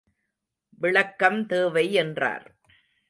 விளக்கம் தேவை என்றார்.